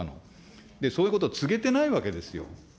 そういうことを告げてないわけですよ。